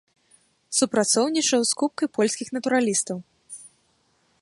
Супрацоўнічаў з купкай польскіх натуралістаў.